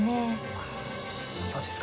あそうですか。